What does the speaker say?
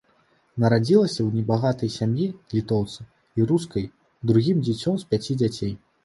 Нарадзілася ў небагатай сям'і літоўца і рускай другім дзіцем з пяці дзяцей.